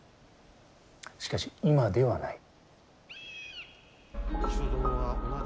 しかし今ではない。